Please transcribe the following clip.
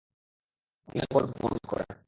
অন্যায় বলব কেমন করে?